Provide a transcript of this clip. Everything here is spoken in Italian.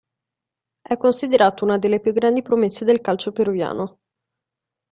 È considerato una delle più grandi promesse del calcio peruviano.